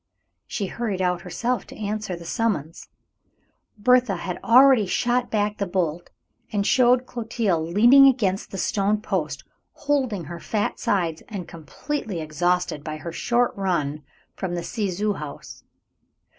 She hurried out herself to answer the summons. Berthé had already shot back the bolt and showed Clotilde leaning against the stone post, holding her fat sides and completely exhausted by her short run from the Ciseaux house.